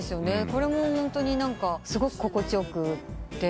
これもホントにすごく心地よくて。